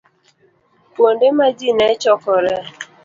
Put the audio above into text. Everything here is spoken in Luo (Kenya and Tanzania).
Kuonde ma ji ne chokoree